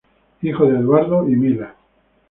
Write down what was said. Hijo de Eduardo y Mila.